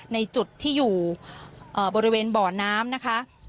ในจุดที่อยู่บริเวณบ่อน้ำนะคะ